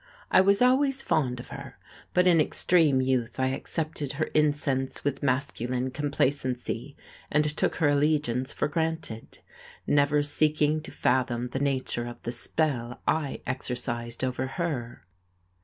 I was always fond of her, but in extreme youth I accepted her incense with masculine complacency and took her allegiance for granted, never seeking to fathom the nature of the spell I exercised over her.